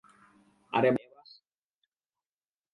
আরে, বাহ!